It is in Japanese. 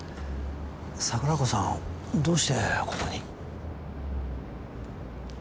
桜子さんどうしてここに。